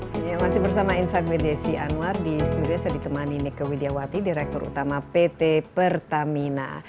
di studio saya di temani nika widjawati direktur utama pt pertamina